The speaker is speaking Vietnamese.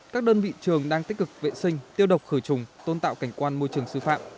các đơn vị trường đang tích cực vệ sinh tiêu độc khởi trùng tôn tạo cảnh quan môi trường sư phạm